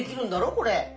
これ。